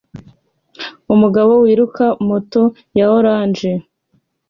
Umugabo wiruka moto ya orange